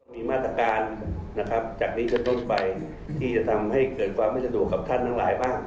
มีมาตรการนะครับจากนี้เป็นต้นไปที่จะทำให้เกิดความไม่สะดวกกับท่านทั้งหลายบ้าง